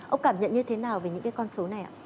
ông cảm nhận như thế nào về những cái con số này ạ